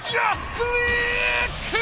クリック！